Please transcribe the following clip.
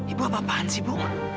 ibu apa apaan sih bu